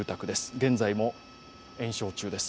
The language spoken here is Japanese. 現在も延焼中です。